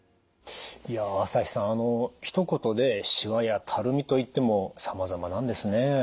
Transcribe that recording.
朝日さんひと言でしわやたるみといってもさまざまなんですね。